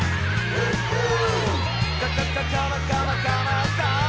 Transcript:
「フッフー！」